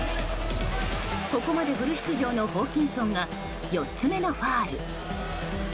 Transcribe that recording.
ここまでフル出場のホーキンソンが４つ目のファウル。